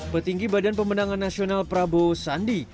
petinggi badan pemenangan nasional prabowo sandi